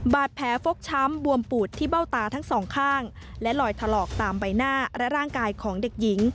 บาดแผลฟกช้ำบวมปูดที่เบ้าตาทั้งสองข้างและลอยถลอกตามใบหน้าและร่างกายของเด็กหญิง